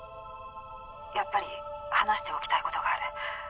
やっぱり話しておきたいことがある。